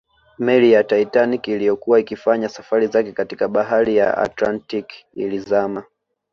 Meli ya Titanic iliyokuwa ikifanya safari zake katika bahari ya Atlantic ilizama